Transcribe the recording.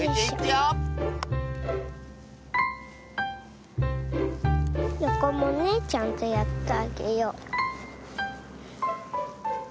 よこもねちゃんとやってあげよう。